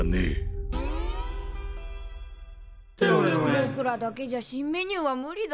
ぼくらだけじゃ新メニューは無理だ。